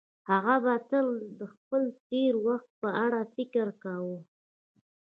هغه به تل د خپل تېر وخت په اړه فکر کاوه.